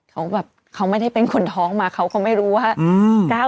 เขาแบบเขาไม่ได้เป็นคนท้องมาเขาก็ไม่รู้ว่า